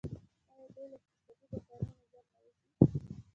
آیا دوی له اقتصادي بحرانونو ژر نه وځي؟